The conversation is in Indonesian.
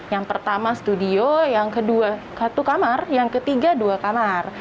yang pertama studio yang kedua satu kamar yang ketiga dua kamar